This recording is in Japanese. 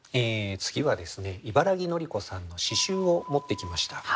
次は茨木のり子さんの詩集を持ってきました。